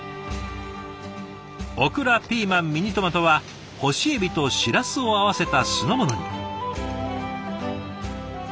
オクラピーマンミニトマトは干しえびとしらすを合わせた酢の物に。